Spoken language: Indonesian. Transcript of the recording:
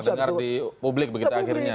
terdengar di publik begitu akhirnya